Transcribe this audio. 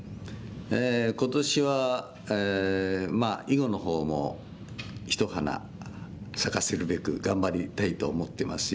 今年はまあ囲碁の方も一花咲かせるべく頑張りたいと思ってますし。